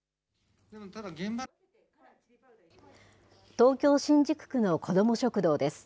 東京・新宿区の子ども食堂です。